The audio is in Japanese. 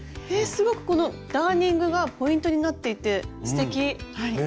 すごくこのダーニングがポイントになっていてすてき！ね。